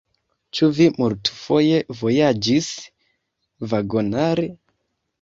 Ĉu vi multfoje vojaĝis vagonare?